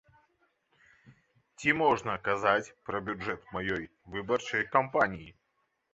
Ці можна казаць пра бюджэт маёй выбарчай кампаніі?